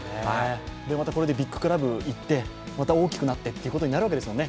またこれでビッグクラブに行ってまた大きくなってということになるわけですよね。